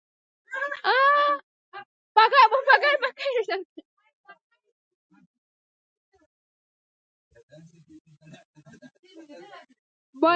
باید چې د فارسي مترجم لنډه مقدمه یې هم لوستې وای.